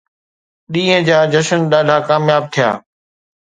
ڏينهن جا جشن ڏاڍا ڪامياب ٿيا.